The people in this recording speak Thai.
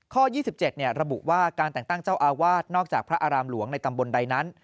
๒๗ระบุว่าการแต่งตั้งเจ้าอาวาสนอกจากพระอารามหลวงในตำบลใดนั้น